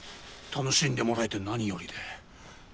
楽しんでもらえて何よりで。